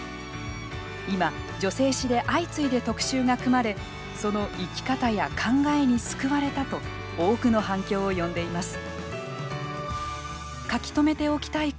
今、女性誌で相次いで特集が組まれその生き方や考えに救われたと多くの反響を呼んでいます。